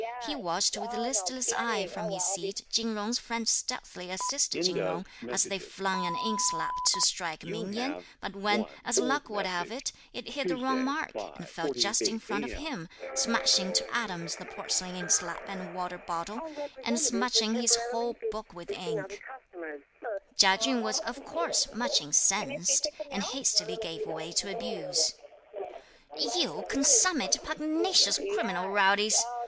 He watched with listless eye from his seat Chin Jung's friends stealthily assist Chin Jung, as they flung an inkslab to strike Ming Yen, but when, as luck would have it, it hit the wrong mark, and fell just in front of him, smashing to atoms the porcelain inkslab and water bottle, and smudging his whole book with ink, Chia Chün was, of course, much incensed, and hastily gave way to abuse. "You consummate pugnacious criminal rowdies!